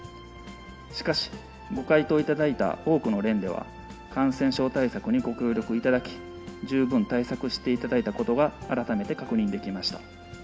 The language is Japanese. しかし、ご回答いただいた多くの連では、感染症対策にご協力いただき、十分対策していただいたことが改めて確認できました。